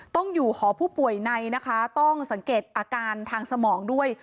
ต้องอยู่หอผู้ป่วยในนะคะต้องสังเกตอาการทางสมองด้วย